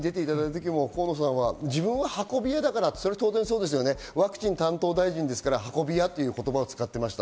河野さんは、自分は運び屋だからワクチン担当大臣ですから、運び屋という言葉を使っていました。